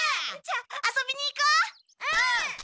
うん！